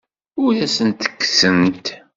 Ad asent-ten-kksent?